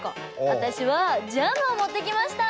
私はジャムを持ってきました！